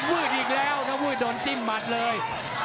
วืดอีกแล้วถ้าผู้โดนจิ้มหมัดเลย